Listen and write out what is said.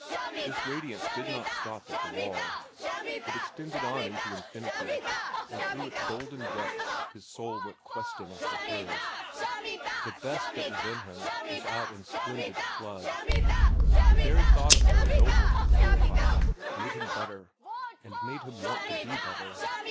This radiance did not stop at the wall. It extended on into infinity, and through its golden depths his soul went questing after hers. The best that was in him was out in splendid flood. The very thought of her ennobled and purified him, made him better, and made him want to be better.